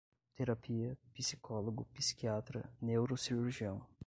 Terapia, psicólogo, psiquiatra, neurocirurgião